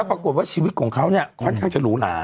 ปรากฏว่าชีวิตของเขาเนี่ยค่อนข้างจะหรูหลา